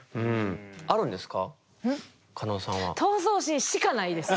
あるんですか？